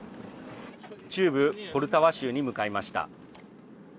中部ポルタワ州に向かいました。